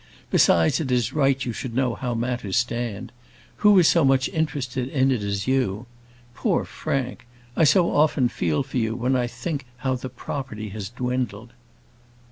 Besides, it is right you should know how matters stand. Who is so much interested in it as you are? Poor Frank! I so often feel for you when I think how the property has dwindled."